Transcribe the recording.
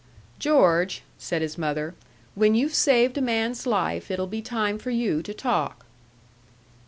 "George," said his mother, "when you've saved a man's life it'll be time for you to talk."